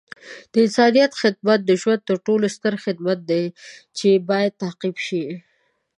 د انسانیت خدمت د ژوند تر ټولو ستر هدف دی چې باید تعقیب شي.